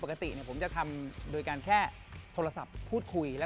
ปกติผมจะทำโดยการแค่